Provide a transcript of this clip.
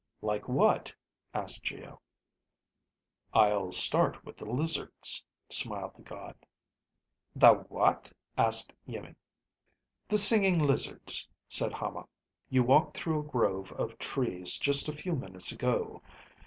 "Like what?" asked Geo. "I'll start with the lizards," smiled the god. "The what?" asked Iimmi. "The singing lizards," said Hama. "You walked through a grove of trees just a few minutes ago.